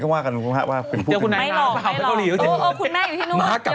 คุณแม่อยู่ที่นู้นยังไม่กลับ